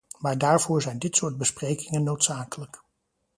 Maar daarvoor zijn dit soort besprekingen noodzakelijk.